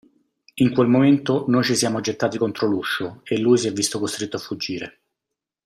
In quel momento noi ci siamo gettati contro l'uscio e lui si è visto costretto a fuggire.